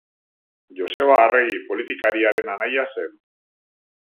Joseba Arregi politikariaren anaia zen.